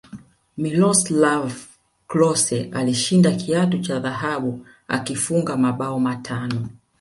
miloslav klose alishinda kiatu cha dhahabu akifunga mabao matano